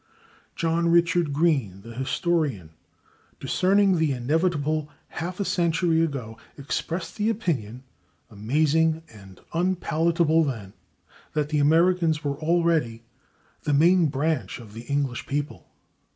John Richard Green, the historian, discerning the inevitable half a century ago, expressed the opinion, amazing and unpalatable then, that the Americans were already "the main branch of the English people."